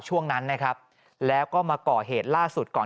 ปี๖๕วันเกิดปี๖๔ไปร่วมงานเช่นเดียวกัน